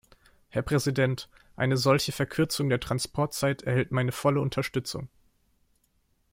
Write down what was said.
Herr Präsident, eine solche Verkürzung der Transportzeit erhält meine volle Unterstützung.